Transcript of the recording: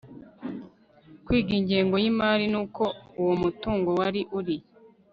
kwiga ingengo y imari n uko uwo mutungo wari uri